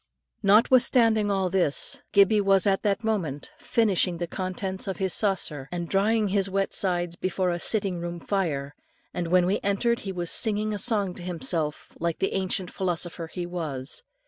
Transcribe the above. Notwithstanding all this, Gibbie was at that moment finishing the contents of his saucer, and drying his wet sides before the sitting room fire, and when we entered, he was singing a song to himself, like the ancient philosopher he was.